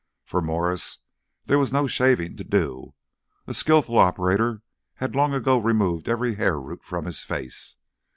For Mwres there was no shaving to do: a skilful operator had long ago removed every hair root from his face.